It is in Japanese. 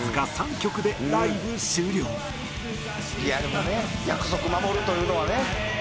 「いやでもね約束守るというのはね」